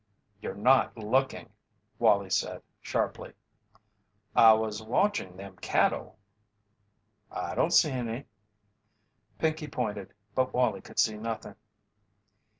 "You're not looking," Wallie said, sharply. "I was watchin' them cattle." "I don't see any." Pinkey pointed, but Wallie could see nothing.